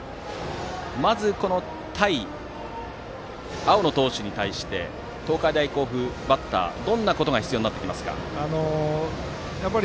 まず青野投手に対して東海大甲府のバッターはどんなことが必要ですか。